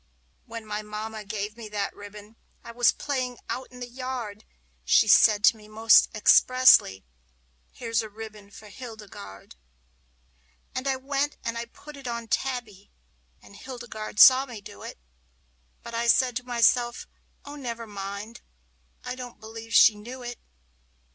When my mamma gave me that ribbon I was playing out in the yard She said to me, most expressly, "Here's a ribbon for Hildegarde." And I went and put it on Tabby, and Hildegarde saw me do it; But I said to myself, "Oh, never mind, I don't believe she knew it!"